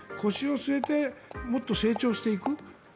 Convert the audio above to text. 腰を据えてもっと成長していく。